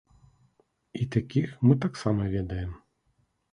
І такіх мы таксама ведаем.